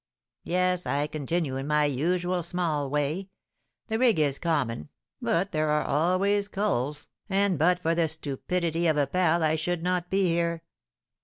"Yes, I continue in my usual small way. The rig is common, but there are always 'culls'; and but for the stupidity of a pal I should not be here.